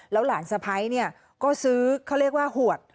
แล้วหลานสะพ้ายก็ซื้อเขาเรียกว่าหวด